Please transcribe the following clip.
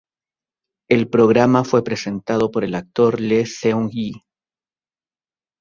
El programa fue presentado por el actor Lee Seung-gi.